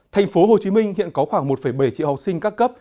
thành phố hồ chí minh hiện có khoảng một bảy triệu học sinh các cấp